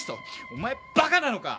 お前馬鹿なのか！？